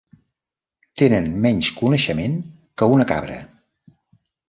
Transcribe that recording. Tenen menys coneixement que una cabra.